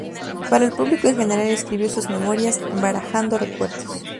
Para el público en general escribió sus memorias, "Barajando recuerdos".